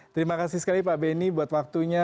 terima kasih sekali pak beni buat waktunya